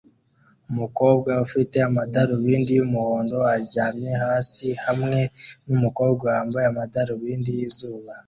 Umukobwa ufite amadarubindi yumuhondo aryamye hasi hamwe numukobwa wambaye amadarubindi yizuba